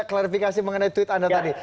klarifikasi mengenai tweet anda tadi